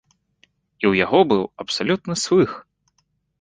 І ў яго быў абсалютны слых!